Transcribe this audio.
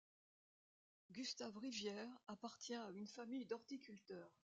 Gustave Rivière appartient à une famille d'horticulteurs.